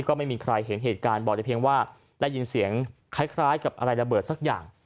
ก็ไม่มีใครเห็นเหตุการณ์บอกแต่เพียงว่าได้ยินเสียงคล้ายกับอะไรระเบิดสักอย่าง